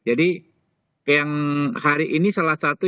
jadi yang hari ini salah satu